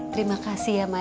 terima kasih ya ma